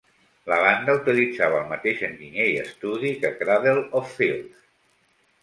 La banda utilitzava el mateix enginyer i estudi que Cradle of Filth.